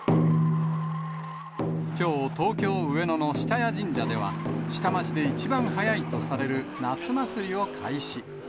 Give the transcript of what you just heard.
きょう、東京・上野の下谷神社では、下町で一番早いとされる夏祭りを開始。